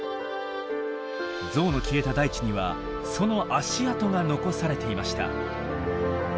ゾウの消えた大地にはその足跡が残されていました。